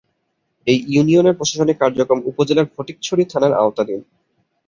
এ ইউনিয়নের প্রশাসনিক কার্যক্রম উপজেলার ফটিকছড়ি থানার আওতাধীন।